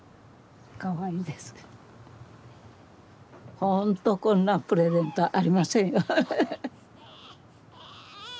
ほんとこんなプレゼントありませんよ。